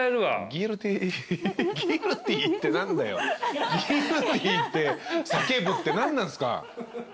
「ギルティ」って叫ぶって何なんすか？